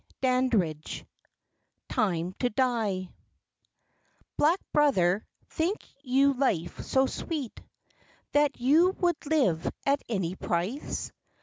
Dandridge TIME TO DIE Black brother, think you life so sweet That you would live at any price?